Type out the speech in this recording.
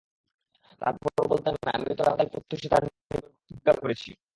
তারপর বলতে লাগলেন, আমি তো আগামীকাল প্রত্যুষে তাঁর নিকট গমনের প্রতিজ্ঞা করেছি।